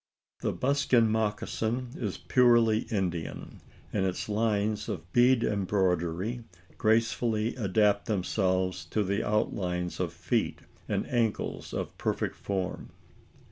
The buskin mocassin is purely Indian; and its lines of bead embroidery gracefully adapt themselves to the outlines of feet and ankles of perfect form.